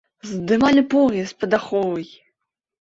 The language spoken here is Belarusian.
Здымалі пояс пад аховай!